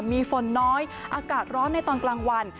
มีฝนน้อยอากาศร้อนในตอนกลางวัน